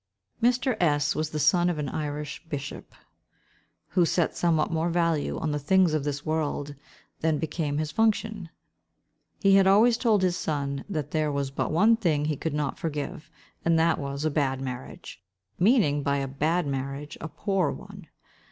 Mr. S—— was the son of an Irish bishop, who set somewhat more value on the things of this world than became his function. He had always told his son that there was but one thing he could not forgive, and that was, a bad marriage—meaning, by a bad marriage, a poor one.